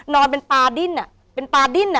นอนเป็นปลาดิ้นเป็นปลาดิ้น